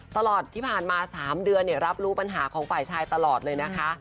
ตลอดที่ผ่านมา๓เดือนรับรู้ปัญหาของฝ่ายชายตลอดเลยนะคะ